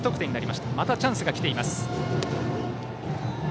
またチャンスがきています。